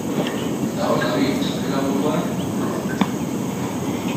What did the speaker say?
Eta hor dabil, txapela buruan, munduan.